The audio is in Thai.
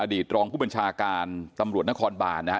อดีตรองคุณบัญชาการตำรวจนครบาลนะครับ